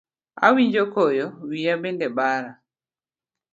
Awinjo koyo, wiya bende bara.